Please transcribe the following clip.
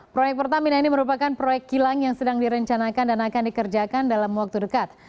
proyek pertamina ini merupakan proyek kilang yang sedang direncanakan dan akan dikerjakan dalam waktu dekat